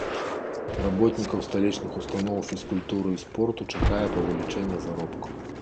Работнікаў сталічных устаноў фізкультуры і спорту чакае павелічэнне заробкаў.